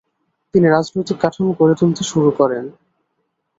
তিনি রাজনৈতিক কাঠামো গড়ে তুলতে শুরু করেন।